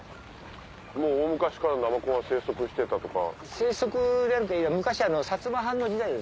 もう大昔からナマコは生息してたとか？